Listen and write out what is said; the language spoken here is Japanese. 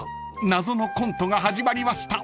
謎のコントが始まりました］